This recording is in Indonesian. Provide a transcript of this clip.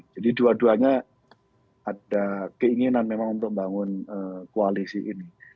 jadi dua duanya ada keinginan memang untuk membangun koalisi ini